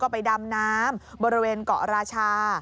ไปดำน้ำบริเวณเกาะราชา